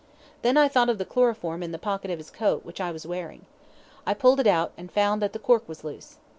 Then I thought of the chloroform in the pocket of his coat, which I was wearing. I pulled it out, and found that the cork was loose.